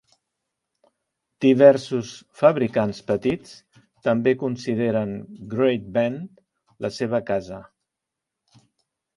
Diversos fabricants petits també consideren Great Bend la seva casa.